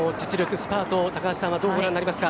スパートを高橋さんはどうご覧になりますか？